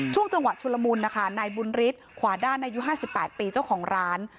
ช่วงจังหวะชุลมุนนะคะนายบุญฤทธิ์ขวาด้านอายุ๕๘ปีเจ้าของร้าน